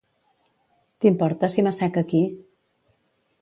T'importa si m'assec aquí?